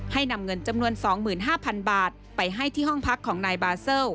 ให้นำเงินจำนวนสองหมื่นห้าพันบาทไปให้ที่ห้องพักของนายบาเซิล